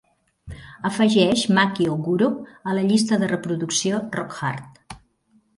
Afegeix Maki Ohguro a la llista de reproducció Rock Hard